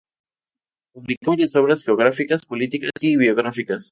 Publicó varias obras geográficas, políticas y biográficas.